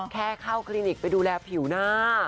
แค่เข้าคลินิกไปดูแลผิวหน้า